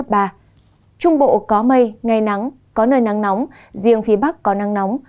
bắc bụ có mây ngày nắng có nơi nắng nóng riêng phía bắc có nắng nóng